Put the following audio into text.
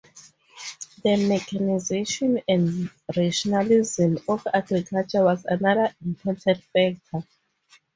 The mechanisation and rationalisation of agriculture was another important factor.